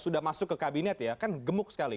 sudah masuk ke kabinet ya kan gemuk sekali